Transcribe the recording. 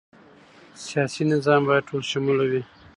سیاسي نظام باید ټولشموله وي